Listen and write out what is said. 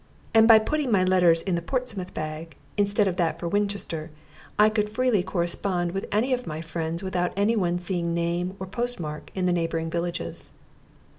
And by putting my letters in the Portsmouth bag, instead of that for Winchester, I could freely correspond with any of my friends without any one seeing name or postmark in the neighboring villages.